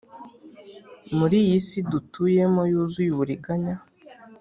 muri iyi si dutuyemo yuzuye uburiganya,